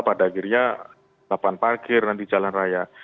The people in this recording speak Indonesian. pada akhirnya lapangan parkir nanti jalan raya